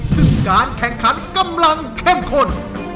ซึ่งการแข่งขันกำลังเข้มข้น